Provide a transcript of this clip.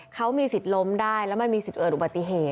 เขามีสิทธิ์ล้มได้แล้วมันมีสิทธิเกิดอุบัติเหตุ